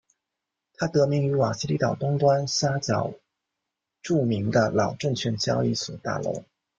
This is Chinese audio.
它得名于瓦西里岛东端岬角着名的老证券交易所大楼。